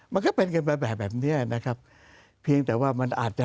มันก็เป็นกันไปแบบแบบเนี้ยนะครับเพียงแต่ว่ามันอาจจะ